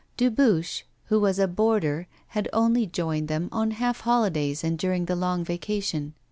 Dubuche, who was a boarder, had only joined them on half holidays and during the long vacation.